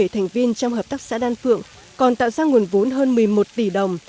bảy thành viên trong hợp tác xã đan phượng còn tạo ra nguồn vốn hơn một mươi một tỷ đồng